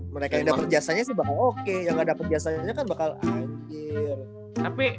mereka yang dapet jasanya sih bakal oke yang gak dapet jasanya kan bakal anjir